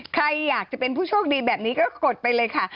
ใครอยากจะเป็นผู้โชคดีแบบนี้ก็กดไปเลยค่ะ